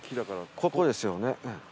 ここですよね。